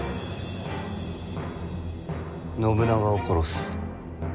信長を殺す。